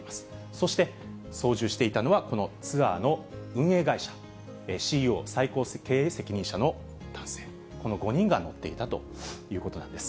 そして、操縦していたのは、このツアーの運営会社、ＣＥＯ・最高経営責任者の男性、この５人が乗っていたということなんです。